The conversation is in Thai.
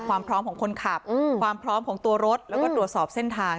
ความพร้อมของคนขับความพร้อมของตัวรถแล้วก็ตรวจสอบเส้นทาง